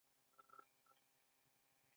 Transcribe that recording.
د کاناډا ژوند کچه لوړه ده.